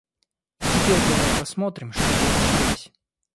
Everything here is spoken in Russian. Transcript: И теперь давай посмотрим, что получилось.